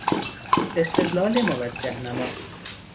استدلال موجه نما